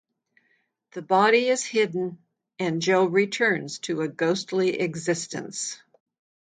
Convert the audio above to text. The body is hidden, and Joe returns to a ghostly existence.